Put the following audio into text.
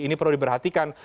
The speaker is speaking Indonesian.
ini perlu diperhatikan